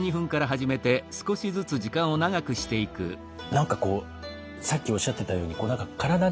何かこうさっきおっしゃってたように何かからだ